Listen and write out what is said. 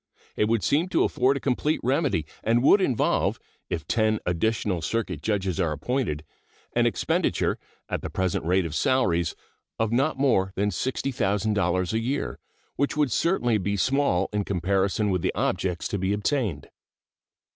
It would seem to afford a complete remedy, and would involve, if ten additional circuit judges are appointed, an expenditure, at the present rate of salaries, of not more than $60,000 a year, which would certainly be small in comparison with the objects to be attained.